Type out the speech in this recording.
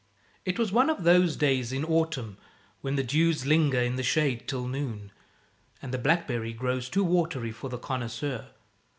It was one of those days in autumn when the dews linger in the shade till noon and the blackberry grows too watery for the connoisseur.